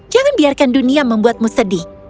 jangan biarkan dunia membuatmu sedih